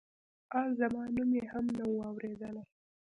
ان زما نوم یې هم نه و اورېدلی.